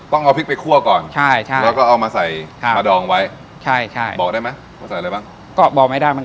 เป็นก้านพริกครับ